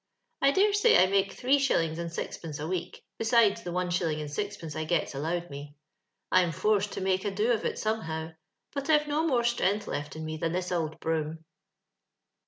I dare say X make three shillings and siiqpence a week, besides the one shilling and sixpence I gets allowed me. I am forced to miJce a do of it somehow, but I've no mosa strength left in me than this ould broom."